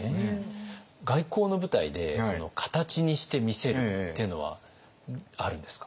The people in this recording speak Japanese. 外交の舞台で形にして見せるっていうのはあるんですか？